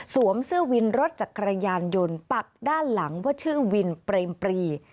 เสื้อวินรถจักรยานยนต์ปักด้านหลังว่าชื่อวินเปรมปรี